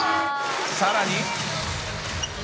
さらに。